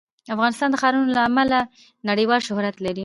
افغانستان د ښارونو له امله نړیوال شهرت لري.